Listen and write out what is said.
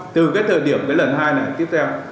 từ cái thời điểm cái lần hai này tiếp theo